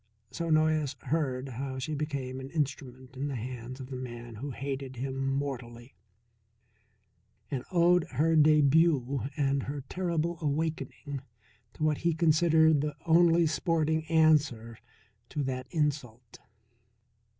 So Noyes heard how she became an instrument in the hands of the man who hated him mortally, and owed her debut and her terrible awakening to what he considered the only sporting answer to that insult.